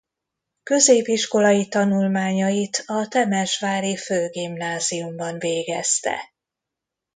Középiskolai tanulmányait a temesvári főgimnáziumban végezte.